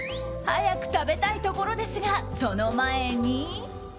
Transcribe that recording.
早く食べたいところですがその前に。